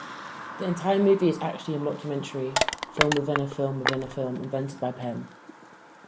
The entire movie is actually a mockumentary film-within-a-film-within-a-film invented by Penn.